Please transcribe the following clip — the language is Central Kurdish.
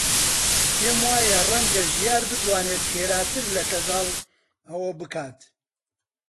پێم وایە ڕەنگە ژیار بتوانێت خێراتر لە کەژاڵ ئەوە بکات.